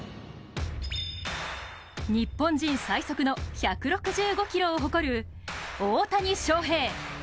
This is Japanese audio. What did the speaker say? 日本人最速の１６５キロを誇る、大谷翔平。